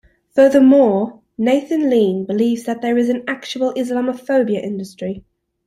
Furthermore, Nathan Lean believes that there is an actual Islamophobia Industry.